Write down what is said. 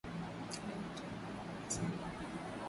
Leo natarajia kuja saa nane.